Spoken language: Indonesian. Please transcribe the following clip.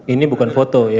ini bukan foto